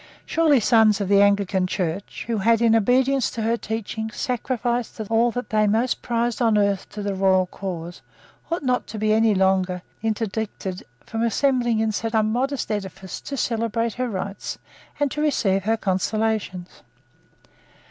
Surely sons of the Anglican Church, who had, in obedience to her teaching, sacrificed all that they most prized on earth to the royal cause, ought not to be any longer interdicted from assembling in some modest edifice to celebrate her rites and to receive her consolations.